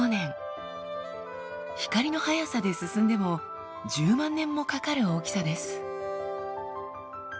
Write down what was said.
光の速さで進んでも１０万年もかかる大きさです。